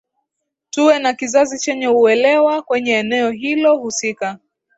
tuwe na kizazi chenye uelewa kwenye eneo hilo husika